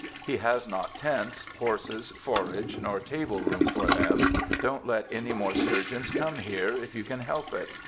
He has not tents, horses, forage, nor table room for them. Don't let any more surgeons come here, if you can help it.